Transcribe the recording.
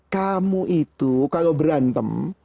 kamu itu kalau berantem